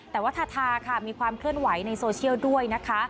แต่ว่าทาทาค่ะมีความเคลื่อนไหวในโซเชียลด้วยนะคะ